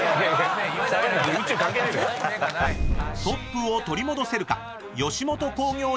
［トップを取り戻せるか？］